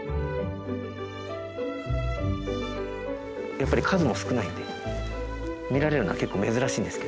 やっぱり数も少ないので見られるのは結構珍しいんですけど。